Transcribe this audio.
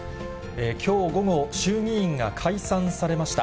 きょう午後、衆議院が解散されました。